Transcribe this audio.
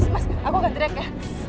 mas aku gak teriak ya